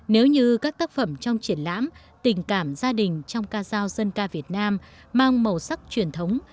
nếu như các tác phẩm trong triển lãm tình cảm gia đình trong ca giao dân ca việt nam mang màu sắc truyền thống